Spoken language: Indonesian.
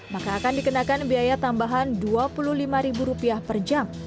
maka akan dikenakan biaya tambahan rp dua puluh lima per jam